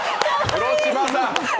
黒島さん！